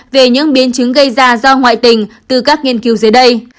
về những biến chứng gây ra do ngoại tình từ các nghiên cứu dưới đây